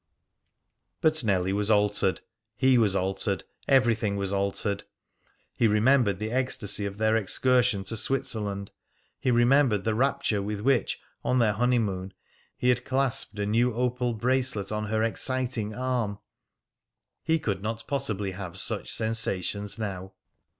But Nellie was altered; he was altered; everything was altered. He remembered the ecstasy of their excursion to Switzerland. He remembered the rapture with which, on their honeymoon, he had clasped a new opal bracelet on her exciting arm. He could not possibly have such sensations now.